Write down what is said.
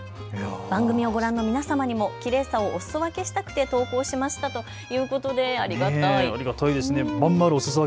番組をご覧の皆様にもきれいさをおすそ分けしたくて投稿しましたということでありがたいですね。